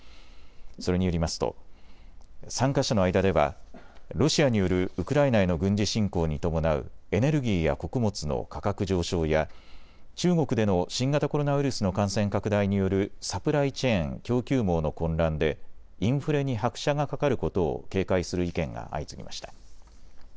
それによりますと参加者の間ではロシアによるウクライナへの軍事侵攻に伴うエネルギーや穀物の価格上昇や中国での新型コロナウイルスの感染拡大によるサプライチェーン・供給網の混乱でインフレに拍車がかかることを警戒する意見が相次ぎました。